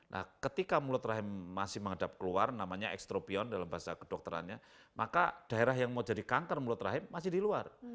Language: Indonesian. nah ketika mulut rahim masih menghadap keluar namanya ekstropion dalam bahasa kedokterannya maka daerah yang mau jadi kanker mulut rahim masih di luar